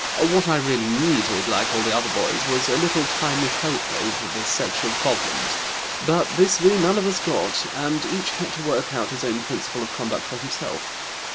What I really needed, like all the other boys, was a little timely help over the sexual problems, but this we none of us got, and each had to work out his own principle of conduct for himself.